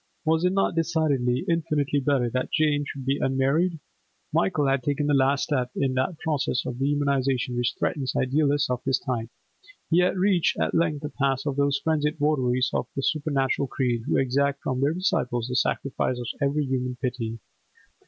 Was it not decidedly, infinitely better that Jane should be unmarried? Michael had taken the last step in that process of dehumanisation which threatens idealists of his type. He had reached at length the pass of those frenzied votaries of a supernatural creed who exact from their disciples the sacrifice of every human piety.